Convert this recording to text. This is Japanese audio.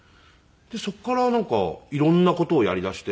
そこからなんか色んな事をやりだして。